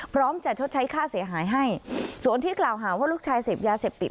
พร้อมจะชดใช้ค่าเสียหายให้ส่วนที่กล่าวหาว่าลูกชายเสพยาเสพติด